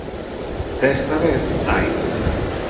Desta vez, haino.